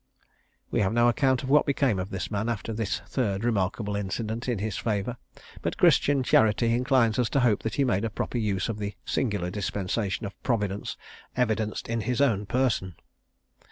We have no account of what became of this man after this third remarkable incident in his favour; but Christian charity inclines us to hope that he made a proper use of the singular dispensation of Providence evidenced in his own person.